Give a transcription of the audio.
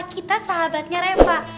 kita sahabatnya reva